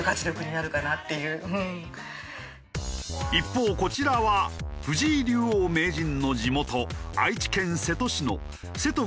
一方こちらは藤井竜王・名人の地元愛知県瀬戸市の。